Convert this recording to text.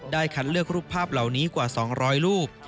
คัดเลือกรูปภาพเหล่านี้กว่า๒๐๐รูป